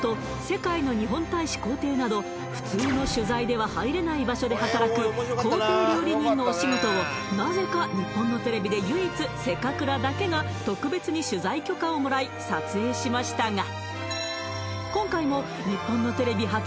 世界の日本大使公邸など普通の取材では入れない場所で働く公邸料理人のお仕事をなぜか日本のテレビで唯一「せかくら」だけが特別に取材許可をもらい撮影しましたが今回も日本のテレビ初！